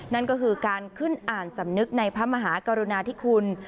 นั่นก็คือการขึ้นอ่านสำนึกในพระมหากรุณาธิคุณ